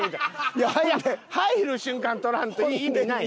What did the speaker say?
いや入る瞬間撮らんと意味ない。